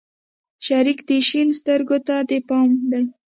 شريکه دې شين سترگو ته دې پام دى.